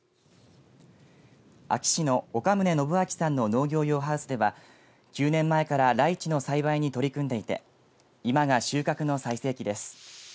安芸市の岡宗信明さんの農業用ハウスでは９年前からライチの栽培に取り組んでいて今が収穫の最盛期です。